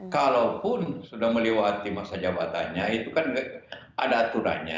kalaupun sudah melewati masa jabatannya itu kan ada aturannya